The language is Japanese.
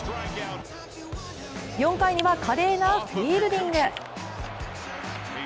４回には華麗なフィールディング。